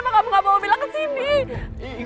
kenapa kamu gak bawa bella kesini